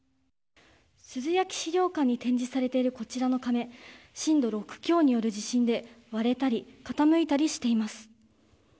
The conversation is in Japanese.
珠洲焼資料館に展示されているこちらの鐘震度６強による地震で割れたり、傾いたりしています。